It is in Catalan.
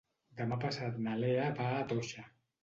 Demà passat na Lea va a Toixa.